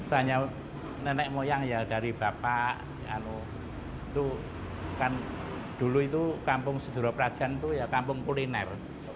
tanya nenek moyang ya dari bapak itu kan dulu itu kampung sedura prajan itu ya kampung kuliner